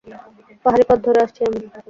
পাহাড়ি পথ ধরে আসছি আমি।